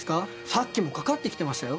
さっきもかかってきてましたよ？